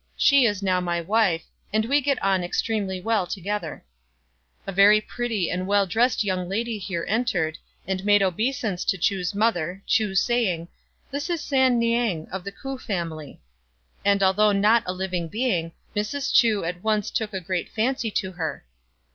She is now my wife, and we get on extremely well together." .A very pretty and well dressed young lady here entered, and made obeisance to Chu's mother, Chu saying, " This is San niang, of the K'ou family ;" and ^though not a living being, Mrs. Chu at once took a great fancy to her.